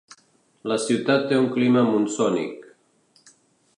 La ciutat té un clima monsònic.